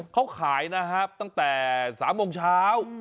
เขาขายนะครับตั้งแต่๓โมงเช้า